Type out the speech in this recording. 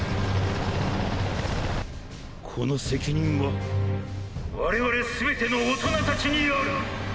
この責任は我々すべての大人たちにある。